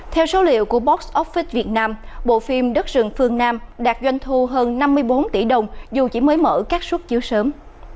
theo số liệu của box office việt nam bộ phim đất rừng phương nam đạt doanh thu hơn năm mươi bốn tỷ đồng dù chỉ mới mở các xuất chiếu sớm